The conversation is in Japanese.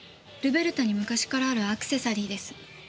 ルベルタに昔からあるアクセサリーです。